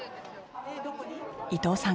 伊藤さん